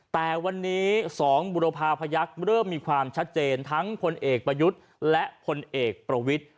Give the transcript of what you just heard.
แต่วันนี้๒บุรพาพยักษ์เริ่มมีความชัดเจนทั้งพลเอกประยุทธ์และพลเอกประวิทธิ